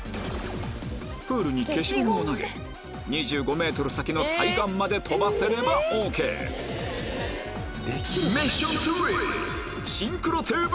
プールに消しゴムを投げ２５ｍ先の対岸まで飛ばせればＯＫミッション